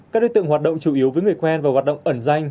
các đối tượng hoạt động chủ yếu với người quen và hoạt động ẩn danh